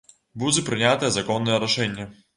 Будзе прынятае законнае рашэнне.